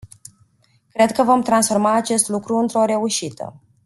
Cred că vom transforma acest lucru într-o reușită.